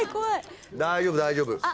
大丈夫大丈夫。